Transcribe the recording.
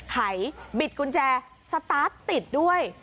หายบิดกุญแจสตาร์ทติดด้วย